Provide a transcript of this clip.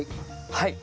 はい。